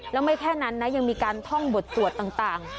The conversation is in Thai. แล้วไม่แค่นั้นนะยังมีการท่องบทสวดต่าง